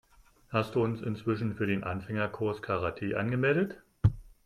Hast du uns inzwischen für den Anfängerkurs Karate angemeldet?